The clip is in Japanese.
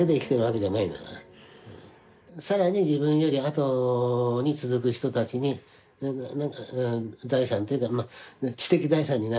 さらに自分よりあとに続く人たちに財産っていうか知的財産になるからね。